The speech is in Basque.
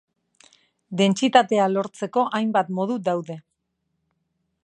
Dentsitatea lortzeko hainbat modu daude.